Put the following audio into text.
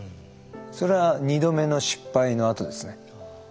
それは２度目の失敗のあとですね。